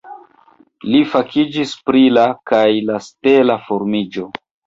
Li fakiĝis pri la kaj la stela formiĝo.